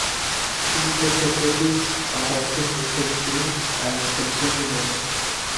Physical properties are often referred to as observables.